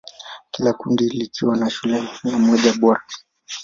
Kila kundi likiwa na shule mia moja bora.